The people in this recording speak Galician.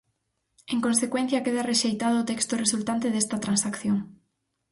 En consecuencia, queda rexeitado o texto resultante desta transacción.